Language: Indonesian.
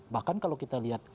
bahkan kalau kita lihat